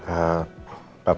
bukan di rumah papa